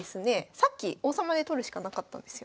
さっき王様で取るしかなかったんですよ。